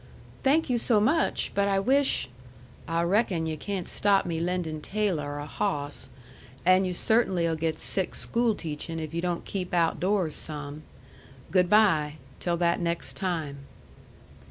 "Thank you so much! but I wish " "I reckon yu' can't stop me lendin' Taylor a hawss. And you cert'nly'll get sick schoolteachin' if yu' don't keep outdoors some. Good by till that next time."